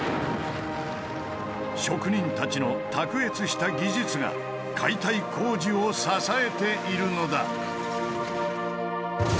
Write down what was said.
職人たちの卓越した技術が解体工事を支えているのだ。